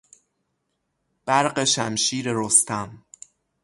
برق شمشیر رستم